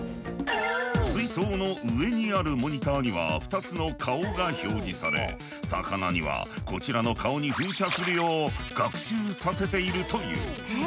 水槽の上にあるモニターには２つの顔が表示され魚にはこちらの顔に噴射するよう学習させているという。